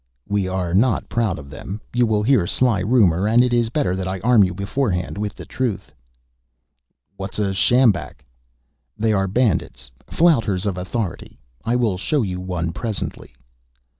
"We are not proud of them. You will hear sly rumor, and it is better that I arm you beforehand with truth." "What is a sjambak?" "They are bandits, flouters of authority. I will show you one presently."